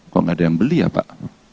kok nggak ada yang beli ya pak